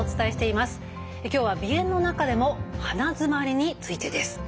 今日は鼻炎の中でも鼻づまりについてです。